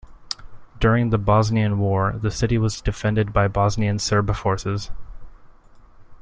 During the Bosnian War the city was defended by Bosnian Serb forces.